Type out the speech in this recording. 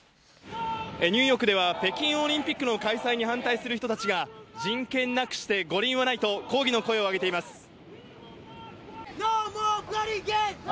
ニューヨークでは、北京オリンピックの開催に反対する人たちが、人権なくして五輪はないと、抗議の声を上げています。